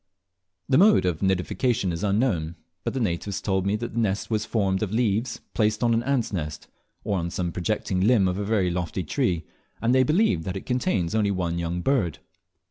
The mode of nidification is unknown; but the natives told me that the nest was formed of leaves placed on an ant's nest, or on some projecting limb of a very lofty tree, and they believe that it contains only one young bird.